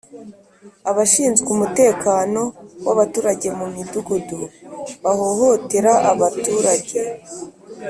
Abashinzwe umutekano wa abaturage mu midugudu bahohotera abaturage